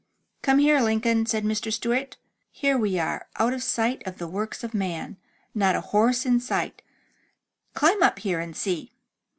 "Come here, Lincoln," said Mr. Stewart. "Here we are, out of sight of the works of man. Not a house in sight — climb up here and see."